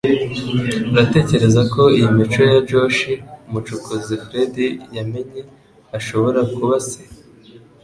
Uratekereza ko iyi mico ya Josh - umucukuzi Fred yamenye - ashobora kuba se?